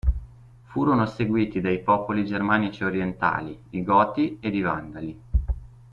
Furono seguiti dai popoli germanici orientali, i Goti ed i Vandali.